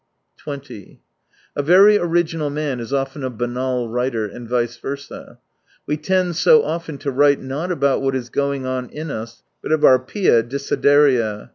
20 A very original man is often a banal writer, and vice versa. We tend so often to write not about what is going on in us, but of our pta desideria.